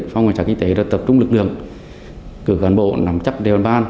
phong ngành trạng kinh tế đã tập trung lực lượng cử gắn bộ nắm chấp đề bàn ban